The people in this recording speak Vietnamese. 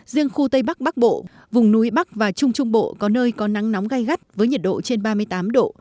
riêng khu tây bắc bắc bộ vùng núi bắc và trung trung bộ có nơi có nắng nóng gai gắt với nhiệt độ trên ba mươi tám độ